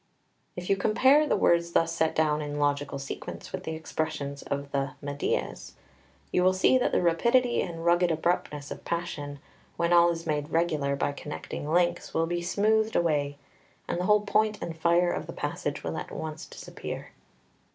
If you compare the words thus set down in logical sequence with the expressions of the "Meidias," you will see that the rapidity and rugged abruptness of passion, when all is made regular by connecting links, will be smoothed away, and the whole point and fire of the passage will at once disappear.